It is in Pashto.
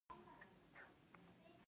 د یونیفورم ګنډل کورنیو ته ورکول کیږي؟